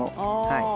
はい。